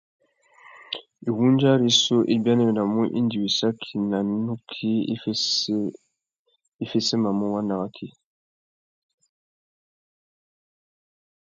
Iwundja rissú i bianéwénamú indi wissaki nà nukí i féssémamú waná waki.